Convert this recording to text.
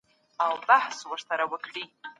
نړیوال رقابت بې رحمه دی.